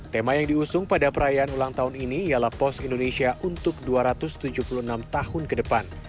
tema yang diusung pada perayaan ulang tahun ini ialah pos indonesia untuk dua ratus tujuh puluh enam tahun ke depan